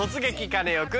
カネオくん」。